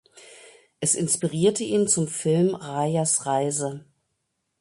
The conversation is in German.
Es inspirierte ihn zum Film "Rajas Reise".